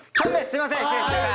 すいません失礼しました。